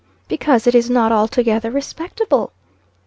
"Because, it is not altogether respectable."